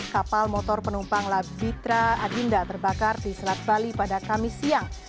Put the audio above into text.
kapal motor penumpang labitra adinda terbakar di selat bali pada kamis siang